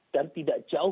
dan tidak jauh